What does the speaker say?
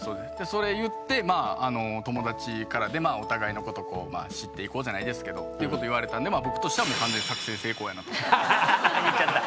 それ言ってまあ友達からでお互いのことを知っていこうじゃないですけどっていうことを言われたんで僕としては完全作戦成功やなと。言っちゃった。